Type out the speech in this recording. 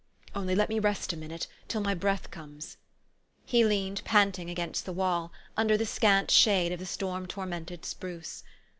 Only let me rest a minute, till my breath comes. " He leaned panting against the wall, under the scant shade of the storm tormented spruce.